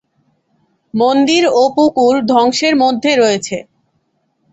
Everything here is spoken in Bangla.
মন্দির ও পুকুর ধ্বংসের মধ্যে রয়েছে।